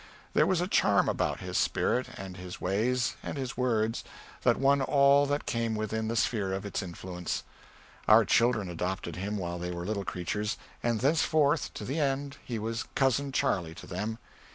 There was a charm about his spirit, and his ways, and his words, that won all that came within the sphere of its influence. Our children adopted him while they were little creatures, and thenceforth, to the end, he was "Cousin Charley" to them.